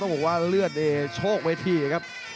ต้องบอกว่าเลือดโชคเวทีนะครับ